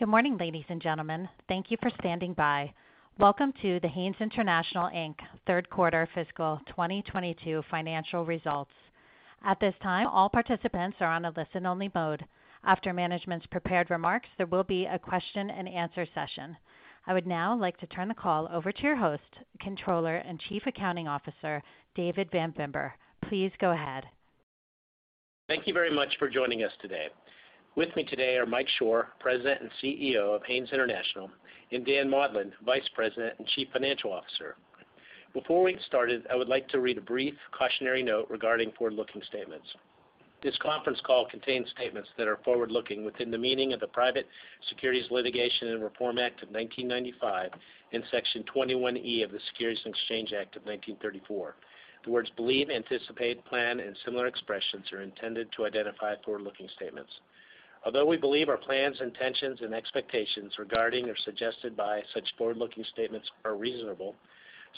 Good morning, ladies, and gentlemen. Thank you for standing by. Welcome to the Haynes International, Inc Third Quarter Fiscal 2022 Financial Results. At this time, all participants are on a listen-only mode. After management's prepared remarks, there will be a question-and-answer session. I would now like to turn the call over to your host, Controller and Chief Accounting Officer, David Van Bibber. Please go ahead. Thank you very much for joining us today. With me today are Mike Shor, President and CEO of Haynes International, and Dan Maudlin, Vice President and Chief Financial Officer. Before we get started, I would like to read a brief cautionary note regarding forward-looking statements. This conference call contains statements that are forward-looking within the meaning of the Private Securities Litigation Reform Act of 1995 and Section 21 E of the Securities Exchange Act of 1934. The words believe, anticipate, plan, and similar expressions are intended to identify forward-looking statements. Although we believe our plans, intentions, and expectations regarding or suggested by such forward-looking statements are reasonable,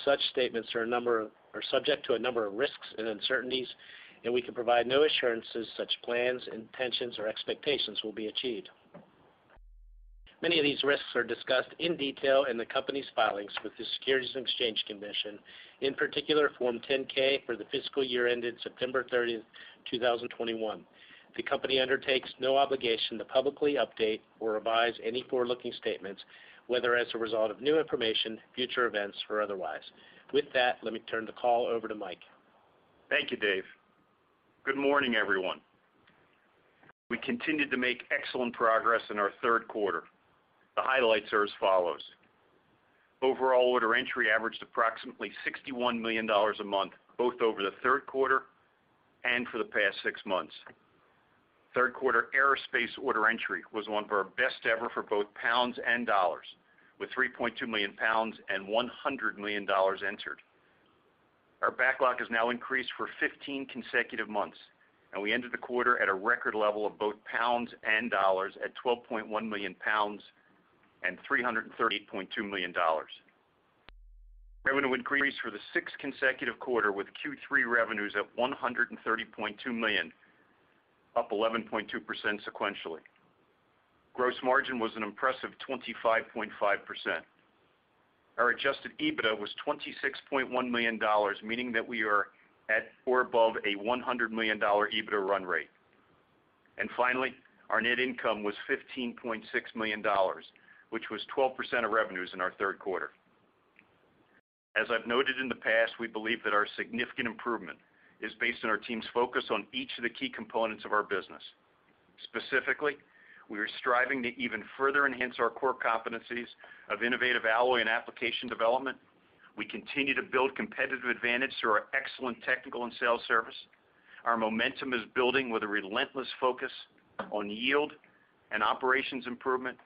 such statements are subject to a number of risks and uncertainties, and we can provide no assurances such plans, intentions, or expectations will be achieved. Many of these risks are discussed in detail in the company's filings with the Securities and Exchange Commission, in particular Form 10-K for the fiscal year ended September 30th, 2021. The company undertakes no obligation to publicly update or revise any forward-looking statements, whether as a result of new information, future events, or otherwise. With that, let me turn the call over to Mike. Thank you, Dave. Good morning, everyone. We continued to make excellent progress in our third quarter. The highlights are as follows. Overall order entry averaged approximately $61 million a month, both over the third quarter and for the past six months. Third quarter aerospace order entry was one of our best ever for both lbs and dollars, with 3.2 million lbs and $100 million entered. Our backlog has now increased for 15 consecutive months, and we ended the quarter at a record level of both lbs and dollars at 12.1 million lbs and $338.2 million. Revenue increased for the sixth consecutive quarter, with Q3 revenues at $130.2 million, up 11.2% sequentially. Gross margin was an impressive 25.5%. Our Adjusted EBITDA was $26.1 million, meaning that we are at or above a $100 million EBITDA run rate. Finally, our net income was $15.6 million, which was 12% of revenues in our third quarter. As I've noted in the past, we believe that our significant improvement is based on our team's focus on each of the key components of our business. Specifically, we are striving to even further enhance our core competencies of innovative alloy and application development. We continue to build competitive advantage through our excellent technical and sales service. Our momentum is building with a relentless focus on yield and operations improvement,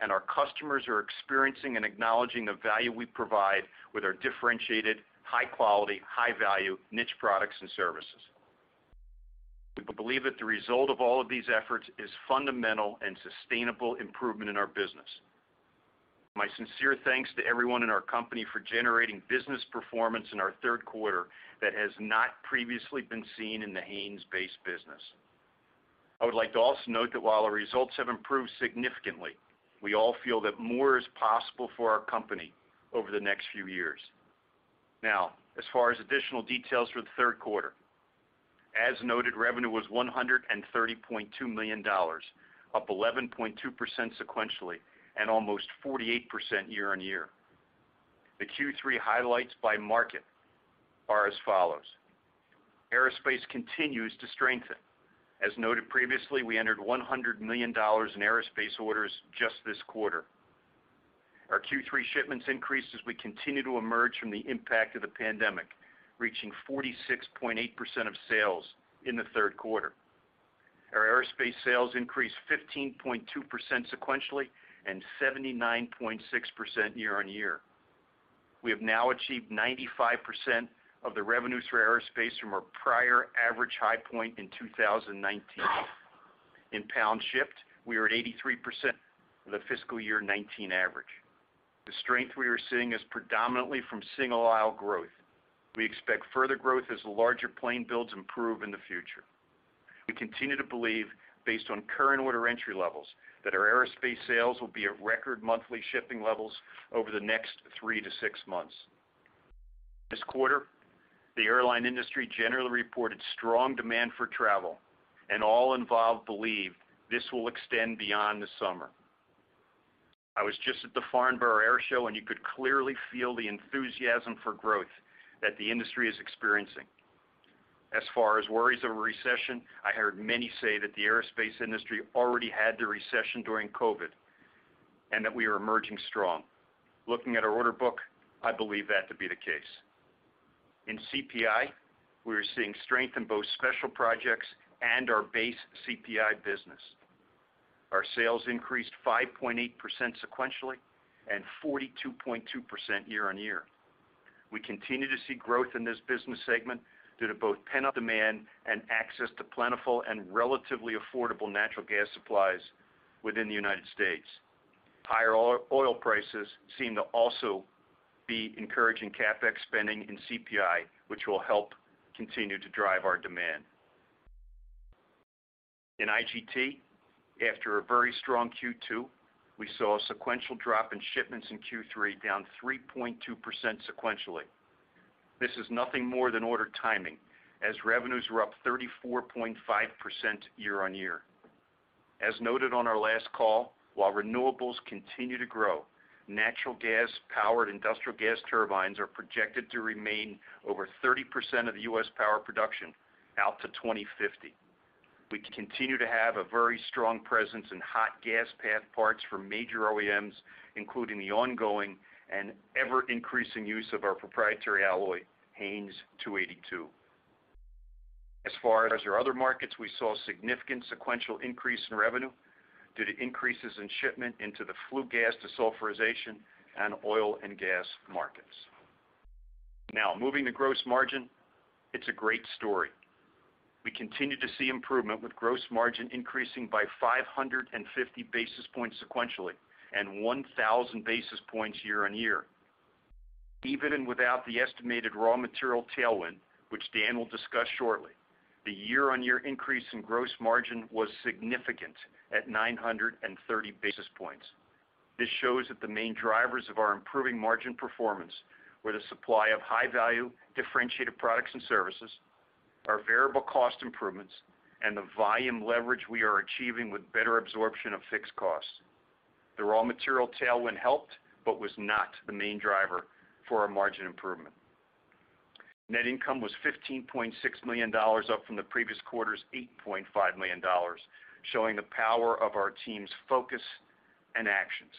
and our customers are experiencing and acknowledging the value we provide with our differentiated, high quality, high value niche products and services. We believe that the result of all of these efforts is fundamental and sustainable improvement in our business. My sincere thanks to everyone in our company for generating business performance in our third quarter that has not previously been seen in the Haynes base business. I would like to also note that while our results have improved significantly, we all feel that more is possible for our company over the next few years. Now, as far as additional details for the third quarter, as noted, revenue was $130.2 million, up 11.2% sequentially and almost 48% year-on-year. The Q3 highlights by market are as follows. Aerospace continues to strengthen. As noted previously, we entered $100 million in aerospace orders just this quarter. Our Q3 shipments increased as we continue to emerge from the impact of the pandemic, reaching 46.8% of sales in the third quarter. Our aerospace sales increased 15.2% sequentially and 79.6% year-on-year. We have now achieved 95% of the revenues for aerospace from our prior average high point in 2019. In lbs shipped, we are at 83% of the fiscal year 2019 average. The strength we are seeing is predominantly from single aisle growth. We expect further growth as the larger plane builds improve in the future. We continue to believe, based on current order entry levels, that our aerospace sales will be at record monthly shipping levels over the next three to six months. This quarter, the airline industry generally reported strong demand for travel, and all involved believe this will extend beyond the summer. I was just at the Farnborough Airshow, and you could clearly feel the enthusiasm for growth that the industry is experiencing. As far as worries of a recession, I heard many say that the aerospace industry already had the recession during COVID and that we are emerging strong. Looking at our order book, I believe that to be the case. In CPI, we are seeing strength in both special projects and our base CPI business. Our sales increased 5.8% sequentially and 42.2% year-on-year. We continue to see growth in this business segment due to both pent-up demand and access to plentiful and relatively affordable natural gas supplies within the U.S. Higher oil prices seem to also be encouraging CapEx spending in CPI, which will help continue to drive our demand. In IGT, after a very strong Q2, we saw a sequential drop in shipments in Q3, down 3.2% sequentially. This is nothing more than order timing, as revenues were up 34.5% year-on-year. As noted on our last call, while renewables continue to grow, natural gas-powered industrial gas turbines are projected to remain over 30% of U.S. power production out to 2050. We continue to have a very strong presence in hot gas path parts for major OEMs, including the ongoing and ever-increasing use of our proprietary alloy, HAYNES 282. As far as our other markets, we saw significant sequential increase in revenue due to increases in shipments into the flue gas desulfurization and oil and gas markets. Now, moving to gross margin. It's a great story. We continue to see improvement, with gross margin increasing by 550 basis points sequentially and 1,000 basis points year-on-year. Even without the estimated raw material tailwind, which Dan will discuss shortly, the year-on-year increase in gross margin was significant at 930 basis points. This shows that the main drivers of our improving margin performance were the supply of high-value differentiated products and services, our variable cost improvements, and the volume leverage we are achieving with better absorption of fixed costs. The raw material tailwind helped, but was not the main driver for our margin improvement. Net income was $15.6 million, up from the previous quarter's $8.5 million, showing the power of our team's focus and actions.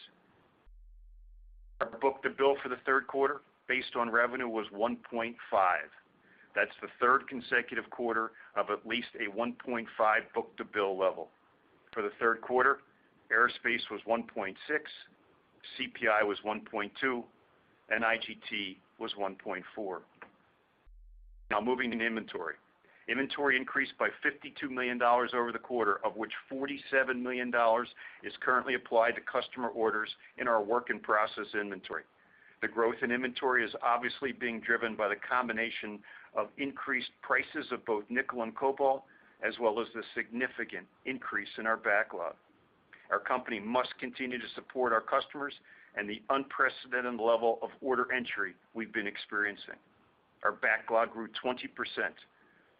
Our Book-to-Bill for the third quarter, based on revenue, was 1.5. That's the third consecutive quarter of at least a 1.5 Book-to-Bill level. For the third quarter, aerospace was 1.6, CPI was 1.2, and IGT was 1.4. Now, moving to inventory. Inventory increased by $52 million over the quarter, of which $47 million is currently applied to customer orders in our work-in-process inventory. The growth in inventory is obviously being driven by the combination of increased prices of both nickel and cobalt, as well as the significant increase in our backlog. Our company must continue to support our customers and the unprecedented level of order entry we've been experiencing. Our backlog grew 20%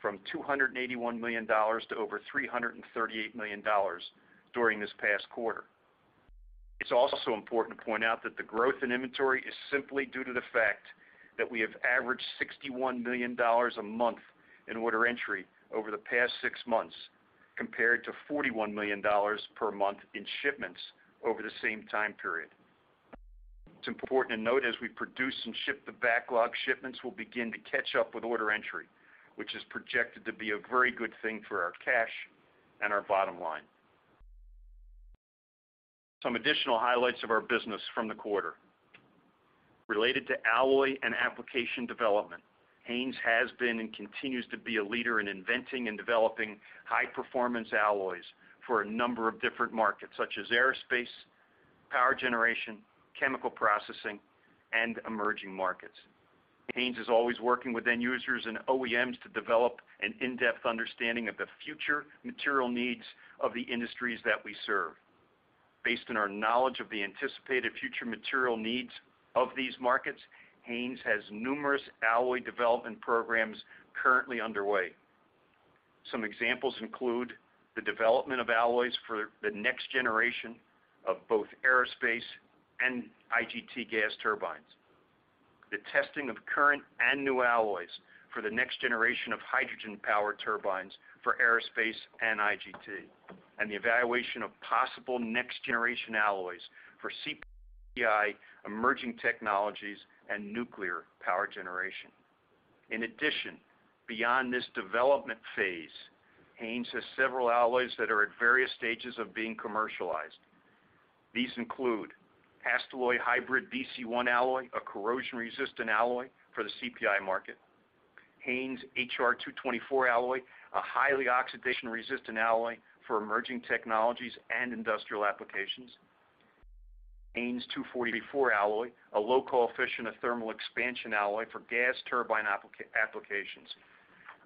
from $281 million to over $338 million during this past quarter. It's also important to point out that the growth in inventory is simply due to the fact that we have averaged $61 million a month in order entry over the past six months, compared to $41 million per month in shipments over the same time period. It's important to note as we produce and ship the backlog, shipments will begin to catch up with order entry, which is projected to be a very good thing for our cash and our bottom line. Some additional highlights of our business from the quarter. Related to alloy and application development, Haynes has been and continues to be a leader in inventing and developing high-performance alloys for a number of different markets, such as aerospace, power generation, chemical processing, and emerging markets. Haynes is always working with end users and OEMs to develop an in-depth understanding of the future material needs of the industries that we serve. Based on our knowledge of the anticipated future material needs of these markets, Haynes has numerous alloy development programs currently underway. Some examples include the development of alloys for the next generation of both aerospace and IGT gas turbines, the testing of current and new alloys for the next generation of hydrogen-powered turbines for aerospace and IGT, and the evaluation of possible next-generation alloys for CPI, emerging technologies, and nuclear power generation. In addition, beyond this development phase, Haynes has several alloys that are at various stages of being commercialized. These include HASTELLOY HYBRID-BC1 alloy, a corrosion-resistant alloy for the CPI market. HAYNES HR-224 alloy, a highly oxidation-resistant alloy for emerging technologies and industrial applications. HAYNES 244 alloy, a low coefficient of thermal expansion alloy for gas turbine applications.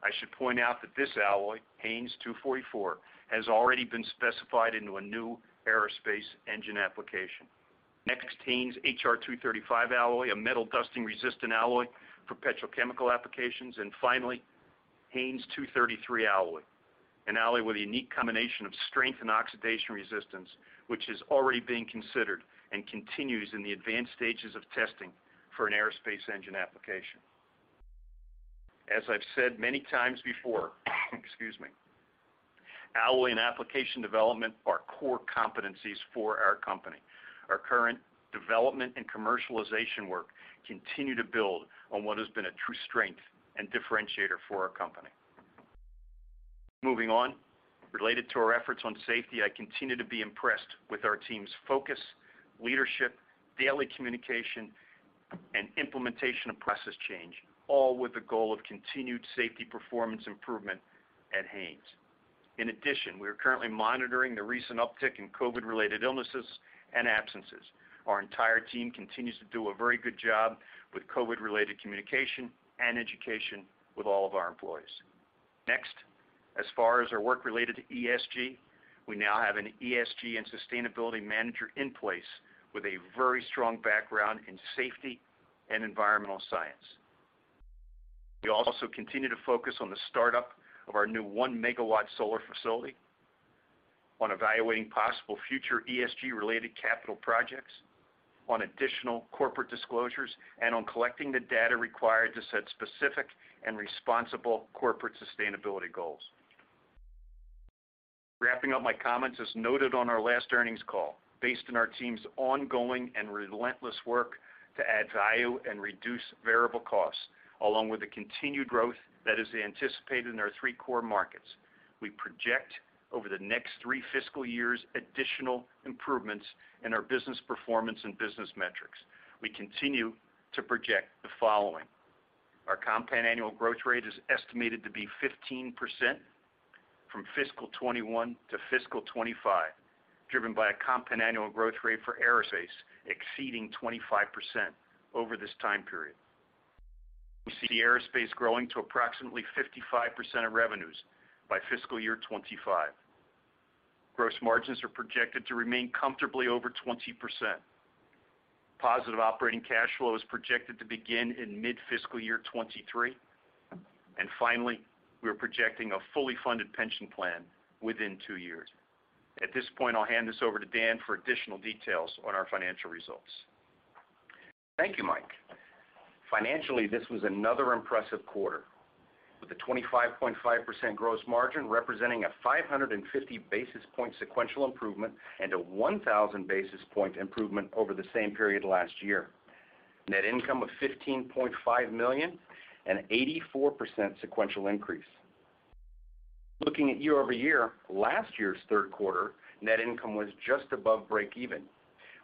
I should point out that this alloy, HAYNES 244, has already been specified into a new aerospace engine application. Next, HAYNES HR-235 alloy, a metal dusting-resistant alloy for petrochemical applications. Finally, HAYNES 233 alloy, an alloy with a unique combination of strength and oxidation resistance, which is already being considered and continues in the advanced stages of testing for an aerospace engine application. As I've said many times before, excuse me, alloy and application development are core competencies for our company. Our current development and commercialization work continue to build on what has been a true strength and differentiator for our company. Moving on. Related to our efforts on safety, I continue to be impressed with our team's focus, leadership, daily communication, and implementation of process change, all with the goal of continued safety performance improvement at Haynes. In addition, we are currently monitoring the recent uptick in COVID-related illnesses and absences. Our entire team continues to do a very good job with COVID-related communication and education with all of our employees. Next, as far as our work related to ESG, we now have an ESG and sustainability manager in place with a very strong background in safety and environmental science. We also continue to focus on the startup of our new 1 MW solar facility, on evaluating possible future ESG related capital projects, on additional corporate disclosures, and on collecting the data required to set specific and responsible corporate sustainability goals. Wrapping up my comments, as noted on our last earnings call, based on our team's ongoing and relentless work to add value and reduce variable costs, along with the continued growth that is anticipated in our three core markets, we project over the next three fiscal years additional improvements in our business performance and business metrics. We continue to project the following. Our compound annual growth rate is estimated to be 15% from fiscal 2021 to fiscal 2025, driven by a compound annual growth rate for aerospace exceeding 25% over this time period. We see the aerospace growing to approximately 55% of revenues by fiscal year 2025. Gross margins are projected to remain comfortably over 20%. Positive operating cash flow is projected to begin in mid-fiscal year 2023. Finally, we are projecting a fully funded pension plan within two years. At this point, I'll hand this over to Dan for additional details on our financial results. Thank you, Mike. Financially, this was another impressive quarter, with a 25.5% gross margin representing a 550 basis point sequential improvement and a 1,000 basis point improvement over the same period last year. Net income of $15.5 million, an 84% sequential increase. Looking at year-over-year, last year's third quarter net income was just above breakeven,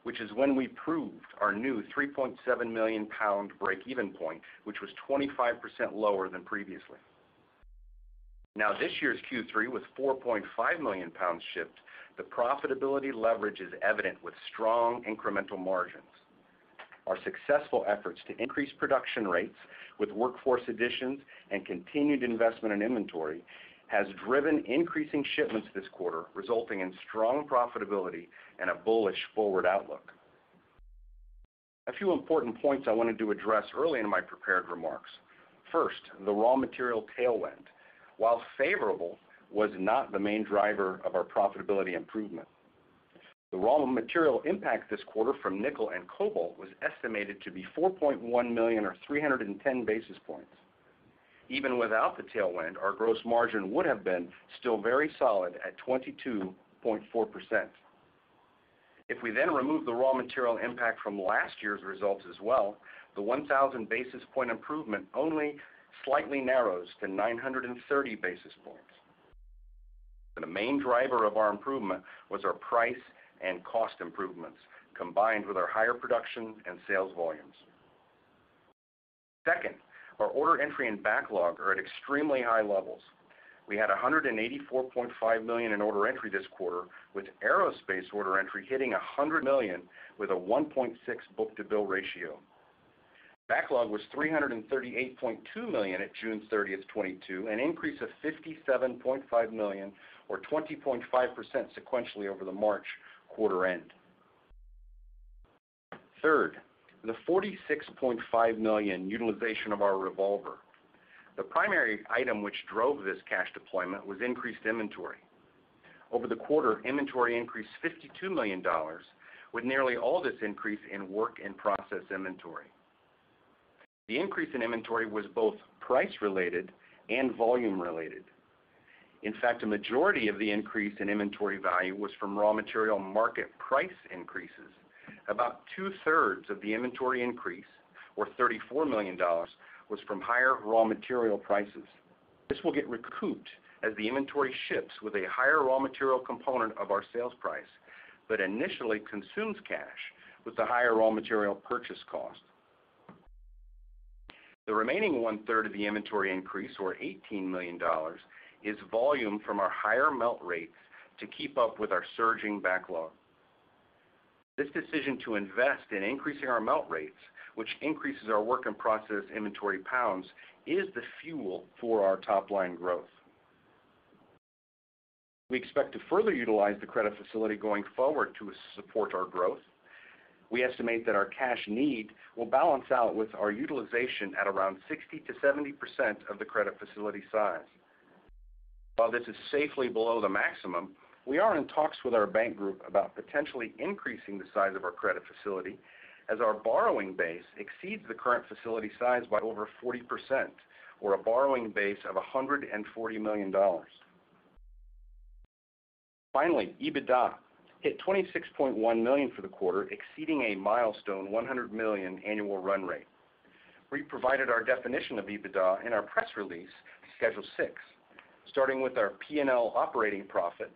which is when we proved our new 3.7 million lbs breakeven point, which was 25% lower than previously. Now this year's Q3 with 4.5 million lbs shipped, the profitability leverage is evident with strong incremental margins. Our successful efforts to increase production rates with workforce additions and continued investment in inventory has driven increasing shipments this quarter, resulting in strong profitability and a bullish forward outlook. A few important points I wanted to address early in my prepared remarks. First, the raw material tailwind, while favorable, was not the main driver of our profitability improvement. The raw material impact this quarter from nickel and cobalt was estimated to be $4.1 million or 310 basis points. Even without the tailwind, our gross margin would have been still very solid at 22.4%. If we then remove the raw material impact from last year's results as well, the 1,000 basis point improvement only slightly narrows to 930 basis points. The main driver of our improvement was our price and cost improvements, combined with our higher production and sales volumes. Second, our order entry and backlog are at extremely high levels. We had $184.5 million in order entry this quarter, with aerospace order entry hitting $100 million with a 1.6 Book-to-Bill ratio. Backlog was $338.2 million at June 30th, 2022, an increase of $57.5 million or 20.5% sequentially over the March quarter end. Third, the $46.5 million utilization of our revolver. The primary item which drove this cash deployment was increased inventory. Over the quarter, inventory increased $52 million, with nearly all this increase in work and process inventory. The increase in inventory was both price related and volume related. In fact, a majority of the increase in inventory value was from raw material market price increases. About 2/3 of the inventory increase, or $34 million, was from higher raw material prices. This will get recouped as the inventory ships with a higher raw material component of our sales price, but initially consumes cash with the higher raw material purchase cost. The remaining 1/3 of the inventory increase, or $18 million, is volume from our higher melt rates to keep up with our surging backlog. This decision to invest in increasing our melt rates, which increases our work in process inventory lbs, is the fuel for our top line growth. We expect to further utilize the credit facility going forward to support our growth. We estimate that our cash need will balance out with our utilization at around 60%-70% of the credit facility size. While this is safely below the maximum, we are in talks with our bank group about potentially increasing the size of our credit facility as our borrowing base exceeds the current facility size by over 40% or a borrowing base of $140 million. Finally, EBITDA hit $26.1 million for the quarter, exceeding a milestone $100 million annual run rate. We provided our definition of EBITDA in our press release, Schedule 6, starting with our P&L operating profit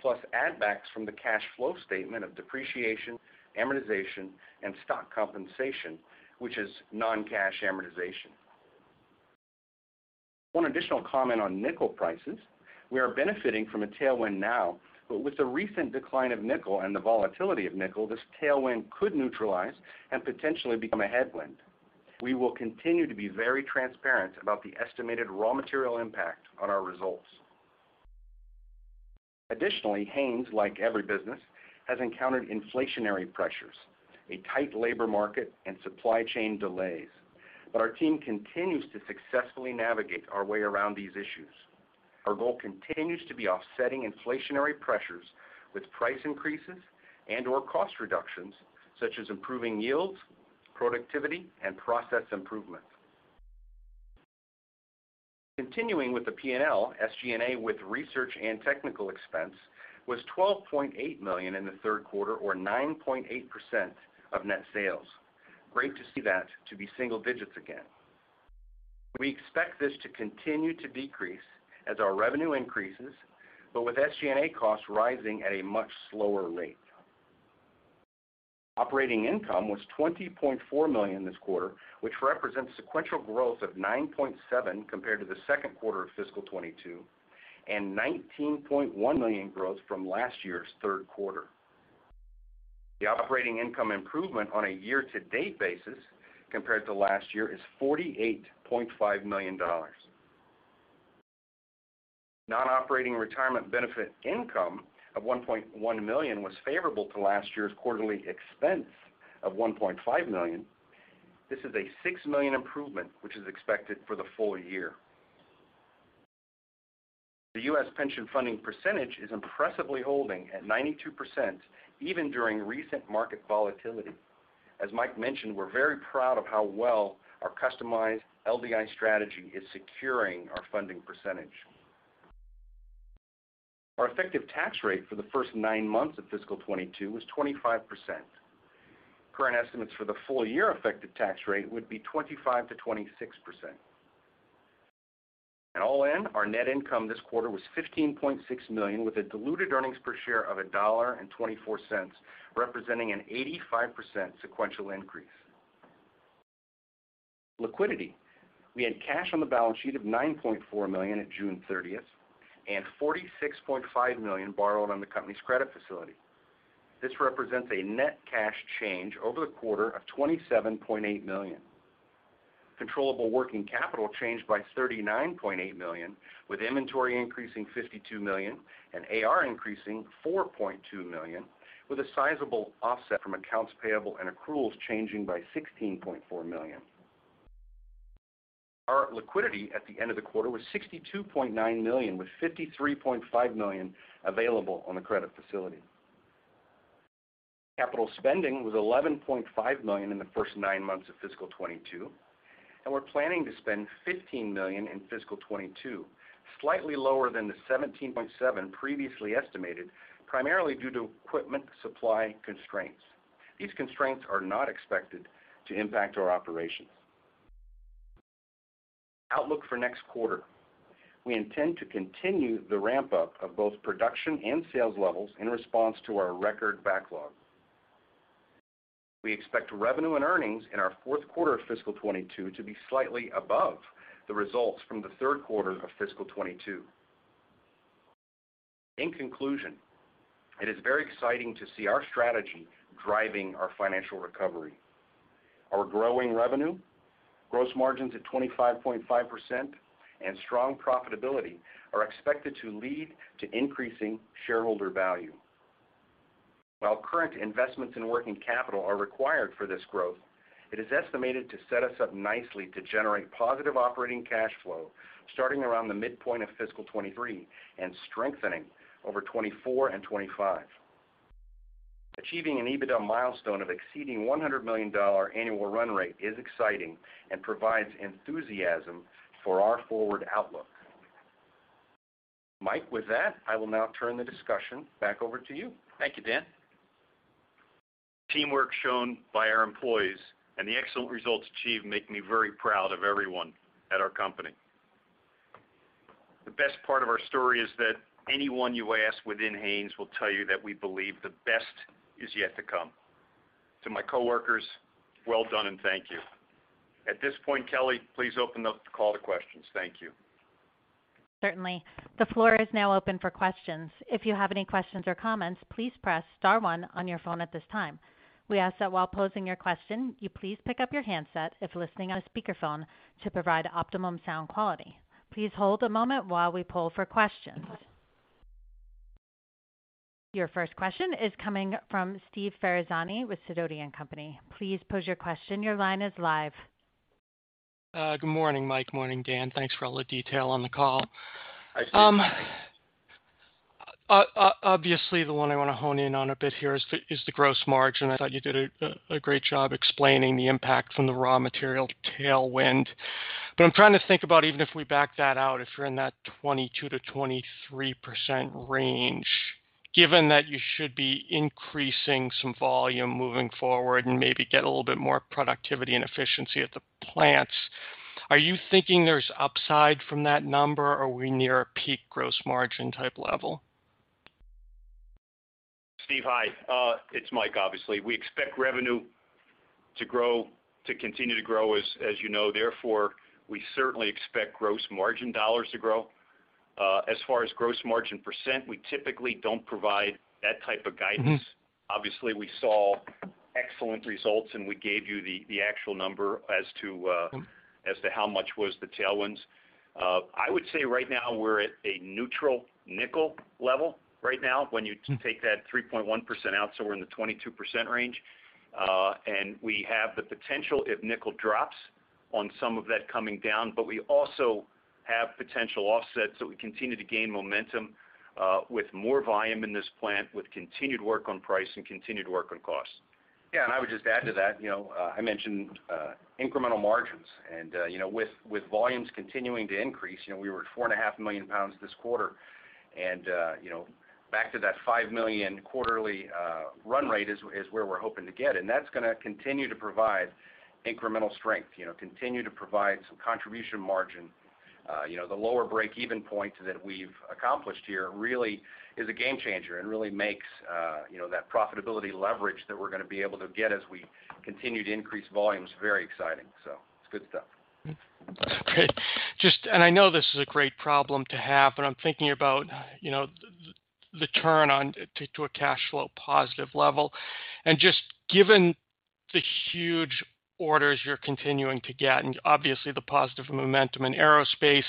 plus add backs from the cash flow statement of depreciation, amortization, and stock compensation, which is non-cash amortization. One additional comment on nickel prices. We are benefiting from a tailwind now, but with the recent decline of nickel and the volatility of nickel, this tailwind could neutralize and potentially become a headwind. We will continue to be very transparent about the estimated raw material impact on our results. Additionally, Haynes, like every business, has encountered inflationary pressures, a tight labor market, and supply chain delays. Our team continues to successfully navigate our way around these issues. Our goal continues to be offsetting inflationary pressures with price increases and or cost reductions such as improving yields, productivity, and process improvement. Continuing with the P&L, SG&A with research and technical expense was $12.8 million in the third quarter or 9.8% of net sales. Great to see that to be single digits again. We expect this to continue to decrease as our revenue increases, but with SG&A costs rising at a much slower rate. Operating income was $20.4 million this quarter, which represents sequential growth of 9.7% compared to the second quarter of fiscal 2022, and $19.1 million growth from last year's third quarter. The operating income improvement on a year-to-date basis compared to last year is $48.5 million. Non-operating retirement benefit income of $1.1 million was favorable to last year's quarterly expense of $1.5 million. This is a $6 million improvement, which is expected for the full year. The U.S. pension funding percentage is impressively holding at 92% even during recent market volatility. As Mike mentioned, we're very proud of how well our customized LDI strategy is securing our funding percentage. Our effective tax rate for the first nine months of fiscal 2022 was 25%. Current estimates for the full year effective tax rate would be 25%-26%. All in, our net income this quarter was $15.6 million, with a diluted earnings per share of $1.24, representing an 85% sequential increase. Liquidity. We had cash on the balance sheet of $9.4 million at June 30th and $46.5 million borrowed on the company's credit facility. This represents a net cash change over the quarter of $27.8 million. Controllable working capital changed by $39.8 million, with inventory increasing $52 million and AR increasing $4.2 million, with a sizable offset from accounts payable and accruals changing by $16.4 million. Our liquidity at the end of the quarter was $62.9 million, with $53.5 million available on the credit facility. Capital spending was $11.5 million in the first nine months of fiscal 2022, and we're planning to spend $15 million in fiscal 2022, slightly lower than the $17.7 million previously estimated, primarily due to equipment supply constraints. These constraints are not expected to impact our operations. Outlook for next quarter. We intend to continue the ramp-up of both production and sales levels in response to our record backlog. We expect revenue and earnings in our fourth quarter of fiscal 2022 to be slightly above the results from the third quarter of fiscal 2022. In conclusion, it is very exciting to see our strategy driving our financial recovery. Our growing revenue, gross margins at 25.5%, and strong profitability are expected to lead to increasing shareholder value. While current investments in working capital are required for this growth, it is estimated to set us up nicely to generate positive operating cash flow starting around the midpoint of fiscal 2023 and strengthening over 2024 and 2025. Achieving an EBITDA milestone of exceeding $100 million annual run rate is exciting and provides enthusiasm for our forward outlook. Mike, with that, I will now turn the discussion back over to you. Thank you, Dan. Teamwork shown by our employees and the excellent results achieved make me very proud of everyone at our company. The best part of our story is that anyone you ask within Haynes will tell you that we believe the best is yet to come. To my coworkers, well done and thank you. At this point, Kelly, please open up the call to questions. Thank you. Certainly. The floor is now open for questions. If you have any questions or comments, please press star one on your phone at this time. We ask that while posing your question, you please pick up your handset if listening on a speakerphone to provide optimum sound quality. Please hold a moment while we pull for questions. Your first question is coming from Steve Ferazani with Sidoti & Company. Please pose your question. Your line is live. Good morning, Mike. Morning, Dan. Thanks for all the detail on the call. Hi, Steve. Obviously, the one I want to hone in on a bit here is the gross margin. I thought you did a great job explaining the impact from the raw material tailwind. I'm trying to think about even if we back that out, if you're in that 22%-23% range, given that you should be increasing some volume moving forward and maybe get a little bit more productivity and efficiency at the plants, are you thinking there's upside from that number or are we near a peak gross margin type level? Steve, hi, it's Mike obviously. We expect revenue to continue to grow as you know. Therefore, we certainly expect gross margin dollars to grow. As far as gross margin percent, we typically don't provide that type of guidance. Obviously, we saw excellent results, and we gave you the actual number as to how much was the tailwinds. I would say right now we're at a neutral nickel level right now when you take that 3.1% out, so we're in the 22% range. And we have the potential if nickel drops on some of that coming down. But we also have potential offsets that we continue to gain momentum with more volume in this plant, with continued work on price and continued work on costs. Yeah, I would just add to that, you know, I mentioned incremental margins and, you know, with volumes continuing to increase, you know, we were at 4.5 million lbs this quarter. You know, back to that 5 million lbs quarterly run rate is where we're hoping to get, and that's gonna continue to provide incremental strength, you know, continue to provide some contribution margin. You know, the lower break-even point that we've accomplished here really is a game changer and really makes, you know, that profitability leverage that we're gonna be able to get as we continue to increase volumes very exciting. It's good stuff. Okay. Just, and I know this is a great problem to have, but I'm thinking about, you know, the turn to a cash flow positive level. Just given the huge orders you're continuing to get, and obviously the positive momentum in aerospace,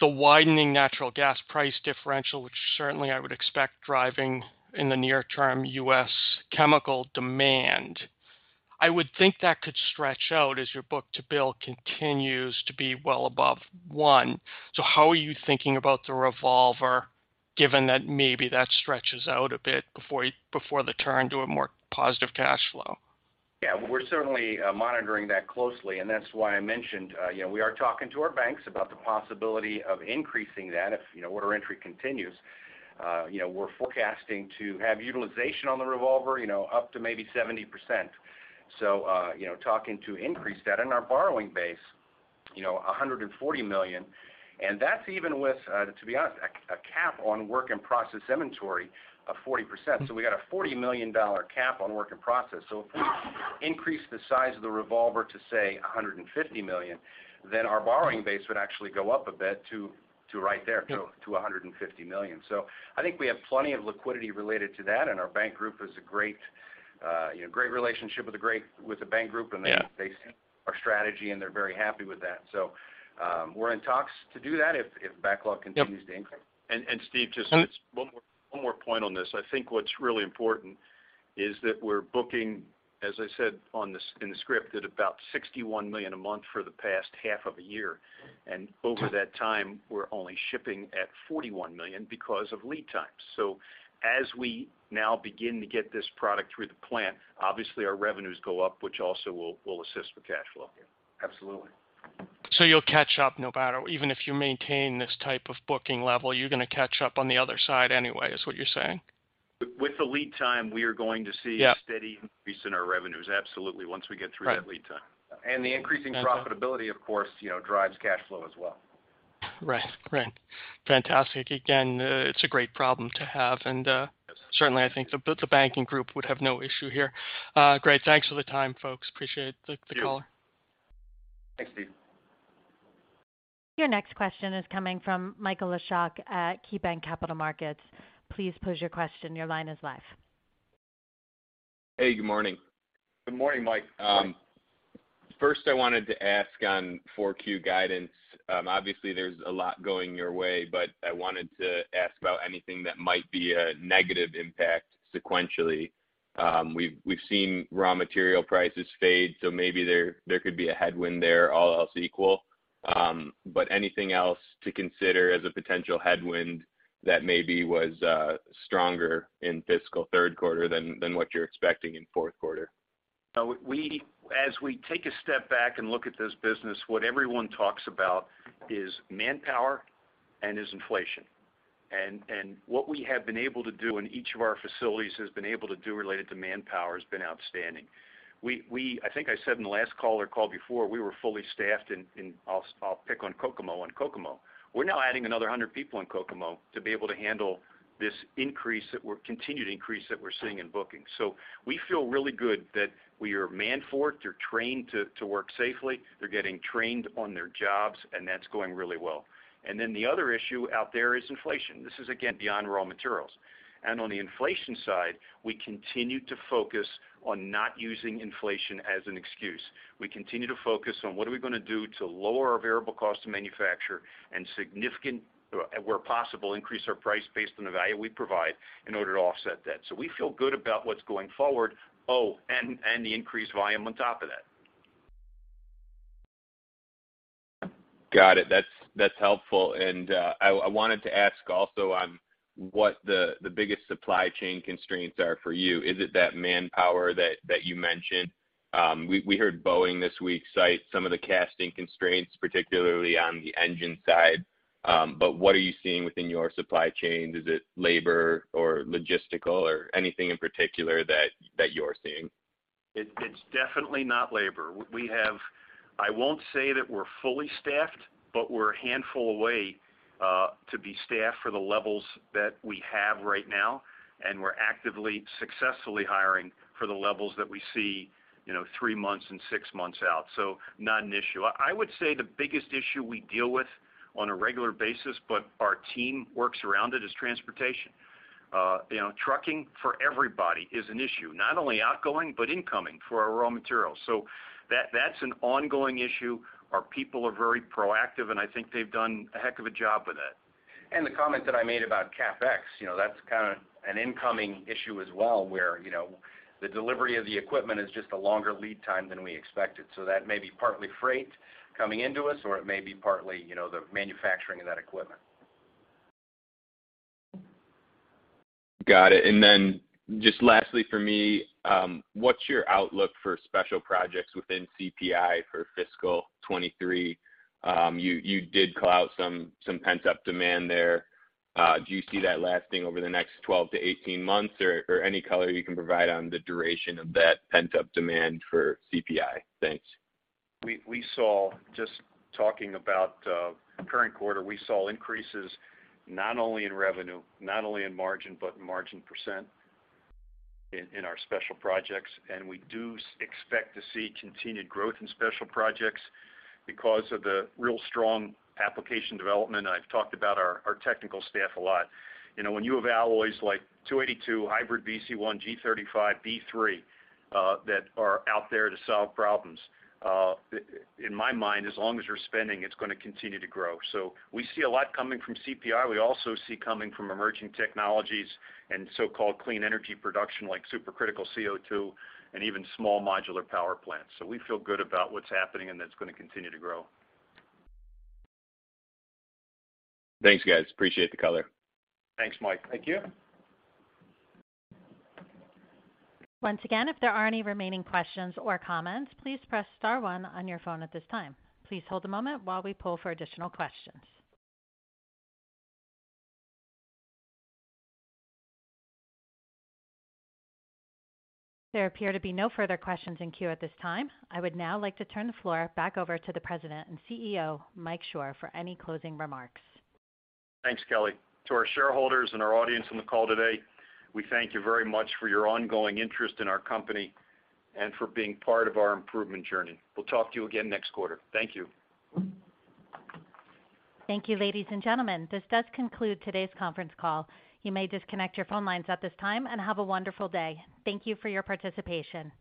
the widening natural gas price differential, which certainly I would expect driving in the near term U.S. chemical demand. I would think that could stretch out as your Book-to-Bill continues to be well above one. How are you thinking about the revolver given that maybe that stretches out a bit before the turn to a more positive cash flow? Yeah. We're certainly monitoring that closely, and that's why I mentioned, you know, we are talking to our banks about the possibility of increasing that if, you know, order entry continues. You know, we're forecasting to have utilization on the revolver, you know, up to maybe 70%. So, you know, talking to increase that in our borrowing base, you know, $140 million, and that's even with, to be honest, a cap on work in process inventory of 40%. So we got a $40 million cap on work in process. So if we increase the size of the revolver to, say, $150 million, then our borrowing base would actually go up a bit to right there, to $150 million. I think we have plenty of liquidity related to that, and our bank group is a great relationship with the bank group, you know. Yeah. They see our strategy, and they're very happy with that. We're in talks to do that if backlog continues to increase. Yep. Steve, just one more point on this. I think what's really important is that we're booking, as I said in the script, at about $61 million a month for the past half of a year. Over that time, we're only shipping at $41 million because of lead times. As we now begin to get this product through the plant, obviously our revenues go up, which also will assist with cash flow. Yeah. Absolutely. You'll catch up no matter. Even if you maintain this type of booking level, you're gonna catch up on the other side anyway, is what you're saying? With the lead time, we are going to see. Yeah. a steady increase in our revenues. Absolutely, once we get through that lead time. Right. The increasing profitability, of course, you know, drives cash flow as well. Right. Right. Fantastic. Again, it's a great problem to have, and. Yes. Certainly, I think the banking group would have no issue here. Great. Thanks for the time, folks. Appreciate the call. Thank you. Thanks, Steve. Your next question is coming from Michael Leshock at KeyBanc Capital Markets. Please pose your question. Your line is live. Hey, good morning. Good morning, Mike. First, I wanted to ask on 4Q guidance. Obviously there's a lot going your way, but I wanted to ask about anything that might be a negative impact sequentially. We've seen raw material prices fade, so maybe there could be a headwind there, all else equal. Anything else to consider as a potential headwind that maybe was stronger in fiscal third quarter than what you're expecting in fourth quarter? As we take a step back and look at this business, what everyone talks about is manpower and inflation. What we have been able to do, and each of our facilities has been able to do related to manpower has been outstanding. I think I said in the last call or call before, we were fully staffed, I'll pick on Kokomo. In Kokomo, we're now adding another 100 people in Kokomo to be able to handle this continued increase that we're seeing in bookings. We feel really good that we are manned for it. They're trained to work safely. They're getting trained on their jobs, and that's going really well. The other issue out there is inflation. This is, again, beyond raw materials. On the inflation side, we continue to focus on not using inflation as an excuse. We continue to focus on what are we gonna do to lower our variable cost to manufacture and, where possible, increase our price based on the value we provide in order to offset that. We feel good about what's going forward. Oh, and the increased volume on top of that. Got it. That's helpful. I wanted to ask also on what the biggest supply chain constraints are for you. Is it that manpower that you mentioned? We heard Boeing this week cite some of the casting constraints, particularly on the engine side. What are you seeing within your supply chain? Is it labor or logistical or anything in particular that you're seeing? It's definitely not labor. We have. I won't say that we're fully staffed, but we're a handful away to be staffed for the levels that we have right now, and we're actively successfully hiring for the levels that we see, you know, three months and six months out, so not an issue. I would say the biggest issue we deal with on a regular basis, but our team works around it, is transportation. You know, trucking for everybody is an issue, not only outgoing, but incoming for our raw materials. That's an ongoing issue. Our people are very proactive, and I think they've done a heck of a job with it. The comment that I made about CapEx, you know, that's kind of an incoming issue as well, where, you know, the delivery of the equipment is just a longer lead time than we expected. That may be partly freight coming into us, or it may be partly, you know, the manufacturing of that equipment. Got it. Then just lastly for me, what's your outlook for special projects within CPI for fiscal 2023? You did call out some pent-up demand there. Do you see that lasting over the next 12-18 months or any color you can provide on the duration of that pent-up demand for CPI? Thanks. We saw increases not only in revenue, not only in margin, but in margin percent in our special projects. We do expect to see continued growth in special projects because of the really strong application development. I've talked about our technical staff a lot. You know, when you have alloys like HAYNES 282, HYBRID-BC1, HASTELLOY G-35, HASTELLOY B-3 that are out there to solve problems, in my mind, as long as you're spending, it's gonna continue to grow. We see a lot coming from CPI. We also see coming from emerging technologies and so-called clean energy production like supercritical CO2 and even small modular power plants. We feel good about what's happening, and that's gonna continue to grow. Thanks, guys. Appreciate the color. Thanks, Mike. Thank you. Once again, if there are any remaining questions or comments, please press star one on your phone at this time. Please hold a moment while we pull for additional questions. There appear to be no further questions in queue at this time. I would now like to turn the floor back over to the President and CEO, Mike Shor, for any closing remarks. Thanks, Kelly. To our shareholders and our audience on the call today, we thank you very much for your ongoing interest in our company and for being part of our improvement journey. We'll talk to you again next quarter. Thank you. Thank you, ladies, and gentlemen. This does conclude today's conference call. You may disconnect your phone lines at this time and have a wonderful day. Thank you for your participation.